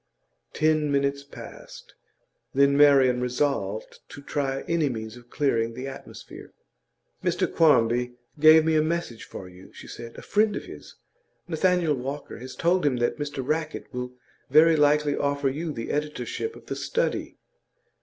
Ten minutes passed; then Marian resolved to try any means of clearing the atmosphere. 'Mr Quarmby gave me a message for you,' she said. 'A friend of his, Nathaniel Walker, has told him that Mr Rackett will very likely offer you the editorship of The Study.